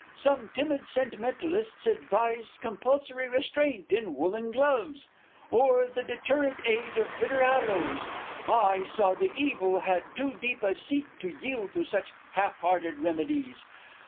Some timid sentimentalists advised Compulsory restraint in woollen gloves, Or the deterrent aid of bitter aloes. I saw the evil had too deep a seat To yield to such half hearted remedies.